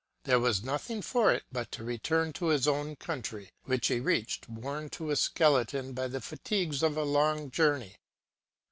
There was nothing for it but to return to his own country, which he reached worn to a skeleton by the fatigues of a long journey.